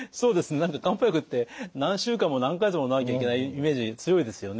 何か漢方薬って何週間も何か月ものまなきゃいけないイメージ強いですよね。